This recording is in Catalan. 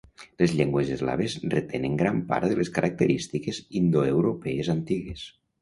Les llengües eslaves retenen gran part de les característiques indoeuropees antigues.